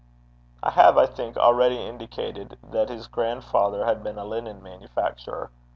I have, I think, already indicated that his grandfather had been a linen manufacturer.